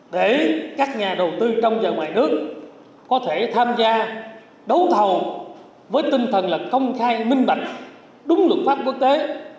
để các nhà đầu tư trong và ngoài nước có thể tham gia đấu thầu với tinh thần là công khai minh bạch đúng luật pháp quốc tế